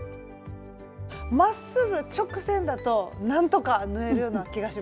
まっすぐ直線だとなんとか縫えるような気がします。